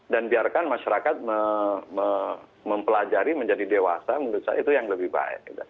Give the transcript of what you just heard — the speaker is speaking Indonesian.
dan biarkan masyarakat mempelajari menjadi dewasa menurut saya itu yang lebih baik